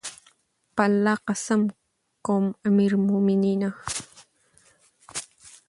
په الله قسم کوم امير المؤمنینه!